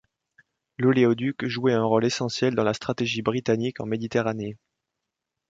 L’oléoduc jouait un rôle essentiel dans la stratégie britannique en Méditerranée.